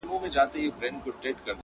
خو له سره ژوندون نه سو پیل کولای؛